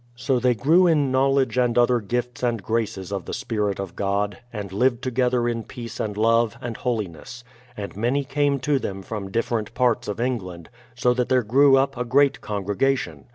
So they grew in knowledge and other gifts and graces of the spirit of God, and lived together in peace and love and holiness; and many came to them from different parts of England, so that there grew up a great congregation.